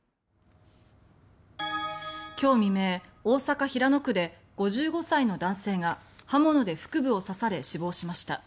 今日未明、大阪・平野区で５５歳の男性が刃物で腹部を刺され死亡しました。